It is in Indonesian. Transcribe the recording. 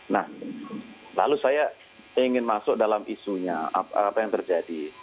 nah lalu saya ingin masuk dalam isunya apa yang terjadi